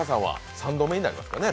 ３度目になりますかね。